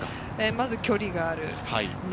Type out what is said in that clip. まず距離がある。